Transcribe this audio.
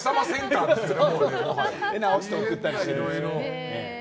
直して送ったりしてるんです。